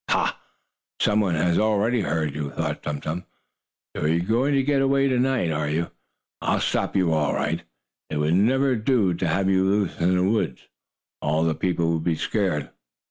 "Ha! Some one has already heard you," thought Tum Tum. "So you are going to get away to night, are you? Well, not if I know it! I'll stop you all right! It would never do to have you loose in the woods; all the people would be scared.